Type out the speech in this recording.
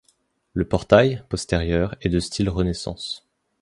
Le portail, postérieur, est de style Renaissance.